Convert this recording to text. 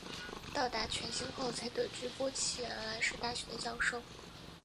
到达犬星后才得知波奇原来是大学的教授。